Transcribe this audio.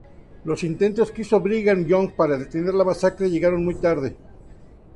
Los intentos que hizo Brigham Young para detener la masacre llegaron muy tarde.